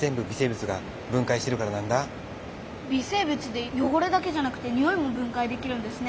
微生物でよごれだけじゃなくてにおいも分解できるんですね？